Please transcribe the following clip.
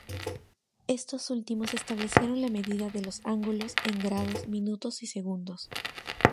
Estos últimos establecieron la medida de los ángulos en grados, minutos y segundos.